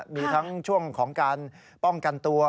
มีทั้งช่วงของการป้องกันตัว